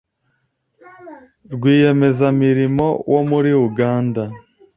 Rwiyemezamirimo wo muri Uganda